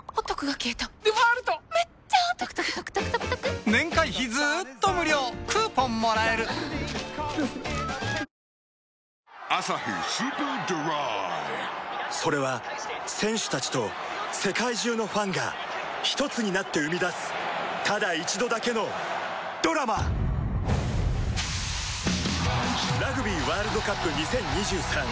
何かね続いてはあっいやいや「アサヒスーパードライ」それは選手たちと世界中のファンがひとつになって生み出すただ一度だけのドラマラグビーワールドカップ２０２３